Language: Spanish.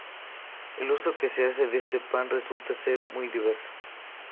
El uso que se hace de este pan resulta ser muy diverso.